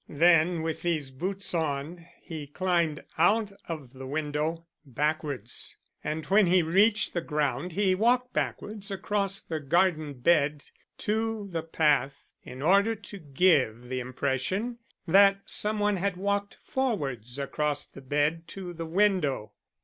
Then, with these boots on, he climbed out of the window backwards, and when he reached the ground he walked backwards across the garden bed to the path in order to give the impression that some one had walked forwards across the bed to the window.